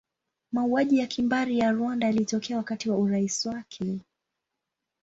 Mauaji ya kimbari ya Rwanda yalitokea wakati wa urais wake.